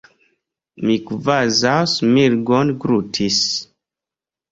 Mi kvazaŭ smirgon glutis.